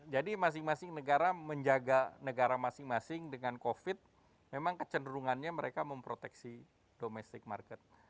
jadi masing masing negara menjaga negara masing masing dengan covid memang kecenderungannya mereka memproteksi domestic market